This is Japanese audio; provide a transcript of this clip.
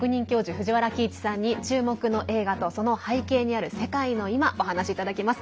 藤原帰一さんに、注目の映画とその背景にある世界の今お話いただきます。